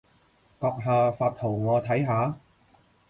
閣下發圖我睇下